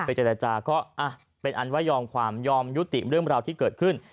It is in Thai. เจรจาก็เป็นอันว่ายอมความยอมยุติเรื่องราวที่เกิดขึ้น